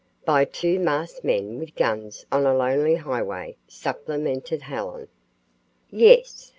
"By two masked men with guns on a lonely highway," supplemented Helen. "Yes."